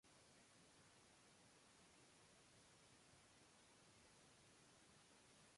Wer höhere Aufwendungen geltend machen will, muss alle Aufwendungen nachweisen.